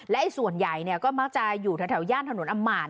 และส่วนใหญ่ก็มักจะอยู่แถวย่านถนนอำมาร